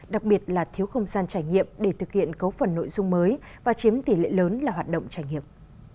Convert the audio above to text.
đặc biệt là thiếu không gian trải nghiệm để thực hiện cấu phần nội dung mới và chiếm tỷ lệ lớn là hoạt động trải nghiệm